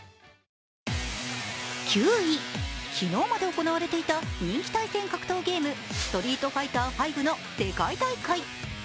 ９位、昨日まで行われていた人気対戦格闘ゲーム「ストリートファイターⅤ」の世界大会。